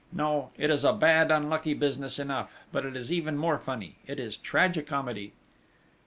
No, it is a bad, unlucky business enough, but it is even more funny it is tragi comedy!"